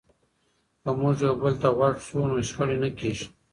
که موږ یو بل ته غوږ شو نو شخړې نه کېږي.